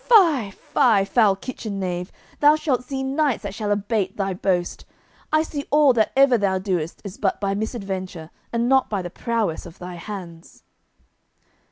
"Fie, fie, foul kitchen knave, thou shalt see knights that shall abate thy boast. I see all that ever thou doest is but by misadventure, and not by prowess of thy hands."